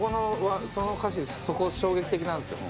その歌詞そこ衝撃的なんすよ。